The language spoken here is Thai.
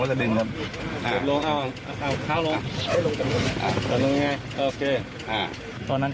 ไม่ครับดึงไปด้านข้างดึงไปด้านข้างหน้าแก